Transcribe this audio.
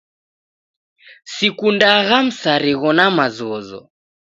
Sikundagha msarigho na mazozo